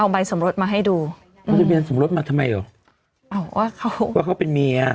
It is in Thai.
เอาใบสำรสมาให้ดูมาทำไมอ่ะอ้าวว่าเขาว่าเขาเป็นเมียอ่ะ